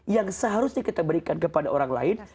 yang seharusnya kita berikan kepada orang lain